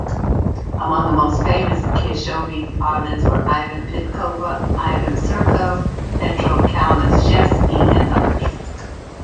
Among most famous Koshovyi Otamans were Ivan Pidkova, Ivan Sirko, Petro Kalnyshevsky, and others.